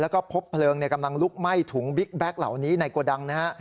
แล้วก็พบเพลิงกำลังลุกไหม้ถุงบิ๊กแก๊กเหล่านี้ในโกดังนะฮะ